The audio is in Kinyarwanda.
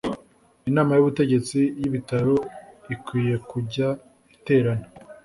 Inama y’ubutegetsi y’ibitaro ikwiye kujya iterana